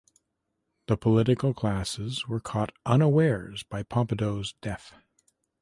The political classes were caught unawares by Pompidou's death.